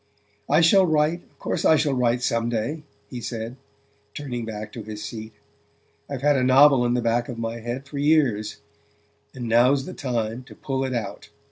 "I shall write of course I shall write some day," he said, turning back to his seat. "I've had a novel in the back of my head for years; and now's the time to pull it out."